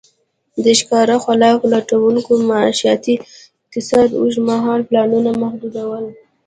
د ښکار او خوراک لټونکو معیشتي اقتصاد اوږد مهاله پلانونه محدود ول.